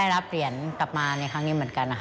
ที่เราอยากจะได้รับเหรียญกลับมาในครั้งนี้เหมือนกัน